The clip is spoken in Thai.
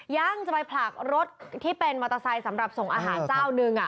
ยังจะไปผลักรถที่เป็นมอเตอร์ไซค์สำหรับส่งอาหารเจ้านึง